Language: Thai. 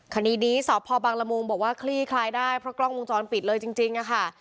คณีดีสอบพ่อบางละมุมบอกว่าคลี่คลายได้เพราะกล้องมุมจรปิดเลยจริงจริงอ่ะค่ะ